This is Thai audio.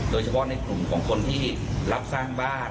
โดยเฉพาะในกลุ่มของคนที่รับสร้างบ้าน